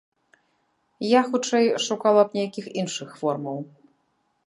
Я, хутчэй, шукала б нейкіх іншых формаў.